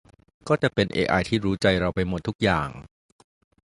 ก็จะเป็นเอไอที่รู้ใจเราไปหมดทุกอย่าง